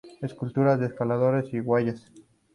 Esculturas de Escaladores en Guayas.